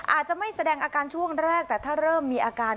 อาจจะไม่แสดงอาการช่วงแรกแต่ถ้าเริ่มมีอาการ